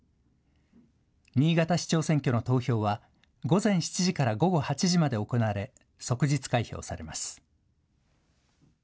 新潟市長選挙の投票は、午前７時から午後８時まで行われ、即日開票されます。